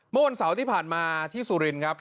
เมื่อวันเสาร์ที่ผ่านมาที่สุรินครับ